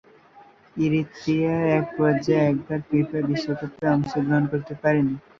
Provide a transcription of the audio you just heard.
Eritrea এপর্যন্ত একবারও FIFA বিশ্বকাপে অংশগ্রহণ করতে পারেনি।